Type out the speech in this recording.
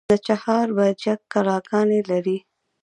د چهار برجک کلاګانې لري